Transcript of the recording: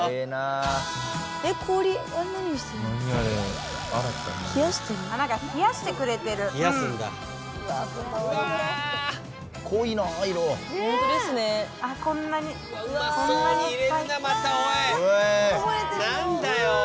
なんだよ。